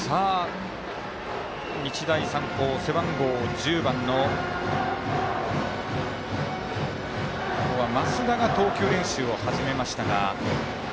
日大三高、背番号１０番の増田が投球練習を始めましたが。